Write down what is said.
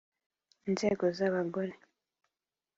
inzego z’abagore